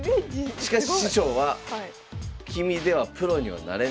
しかし師匠は君ではプロにはなれないよと。